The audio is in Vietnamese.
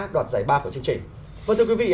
đoạt giải ba của chương trình vâng thưa quý vị